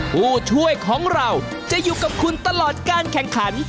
ผู้ช่วยของเราจะอยู่กับคุณตลอดการแข่งขัน